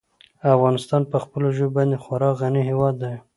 افغانستان په خپلو ژبو باندې خورا غني هېواد دی.